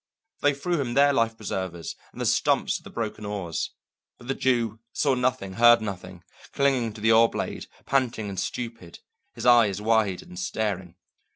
They threw him their life preservers and the stumps of the broken oars. But the Jew saw nothing, heard nothing, clinging to the oar blade, panting and stupid, his eyes wide and staring.